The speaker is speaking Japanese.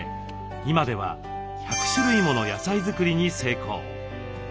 今では１００種類もの野菜作りに成功。